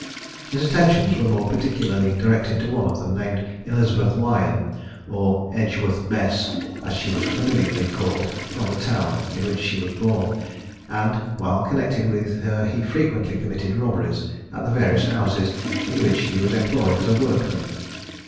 His attentions were more particularly directed to one of them, named Elizabeth Lion, or Edgeworth Bess, as she was familiarly called from the town in which she was born, and while connected with her he frequently committed robberies at the various houses, in which he was employed as a workman.